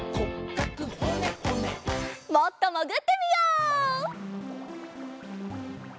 もっともぐってみよう！